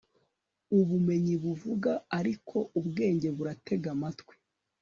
ubumenyi buvuga, ariko ubwenge buratega amatwi